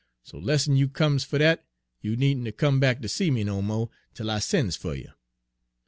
So 'less'n you comes fer dat, you neenter come back ter see me no mo' 'tel I sen's fer you.'